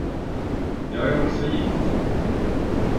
Jag är också gift.